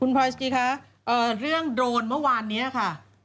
พลอยสกิคะเรื่องโดรนเมื่อวานนี้ค่ะ